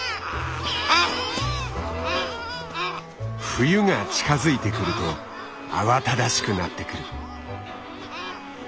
冬が近づいてくると慌ただしくなってくる。